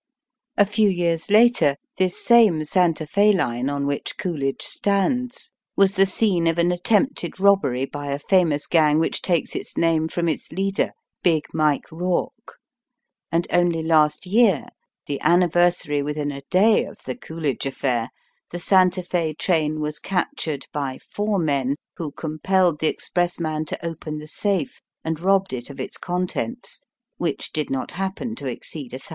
A few years later this same Santa Fe line, on which Coolidge Digitized by VjOOQIC LIFE AND DEATH IN THE FAR WEST. 61 stands, was the scene of an attempted robbery by a famous gang which takes its name from its leader, '* Big Mike Kourke ;" and only last year, the anniversary within a day of the Coolidge affair, the Santa Fe train was captured by four men, who compelled the express man to open the safe, and robbed it of its contents, which did not happen to exceed ^61000.